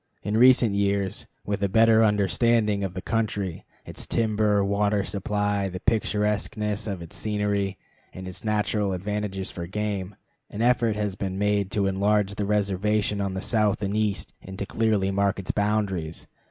In recent years, with a better understanding of the country, its timber, water supply, the picturesqueness of its scenery, and its natural advantages for game, an effort has been made to enlarge the reservation on the south and east and to clearly mark its boundaries.